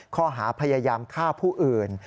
ข้อหาพยายามฆ่าผู้อื่น